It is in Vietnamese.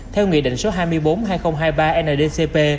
theo nghị định số hai mươi bốn hai nghìn hai mươi ba ndcp